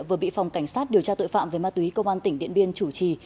vừa bị phòng cảnh sát điều tra tội phạm về ma túy công an tỉnh điện biên chủ trì